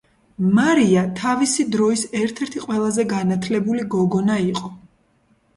მარია თავისი დროის ერთ-ერთი ყველაზე განათლებული გოგონა იყო.